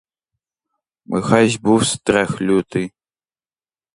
Михась був страх лютий!